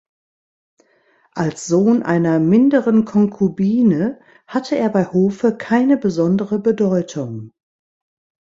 Als Sohn einer minderen Konkubine hatte er bei Hofe keine besondere Bedeutung.